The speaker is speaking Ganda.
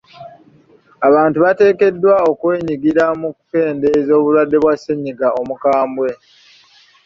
Abantu bateekeddwa okwenyigira mu kukendeeza obulwadde bwa ssennyiga omukambwe.